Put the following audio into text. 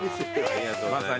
ありがとうございます。